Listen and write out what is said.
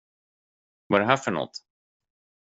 Vad är det här för något?